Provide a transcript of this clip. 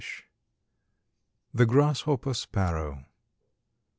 ] THE GRASSHOPPER SPARROW.